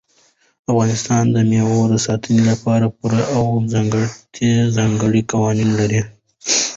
افغانستان د مېوو د ساتنې لپاره پوره او ځانګړي قوانین لري.